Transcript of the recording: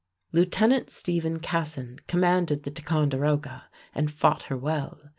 Lieutenant Stephen Cassin commanded the Ticonderoga and fought her well.